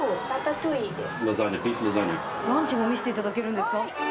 ランチも見せていただけるんですか？